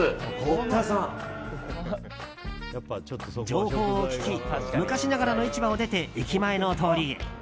情報を聞き昔ながらの市場を出て駅前の通りへ。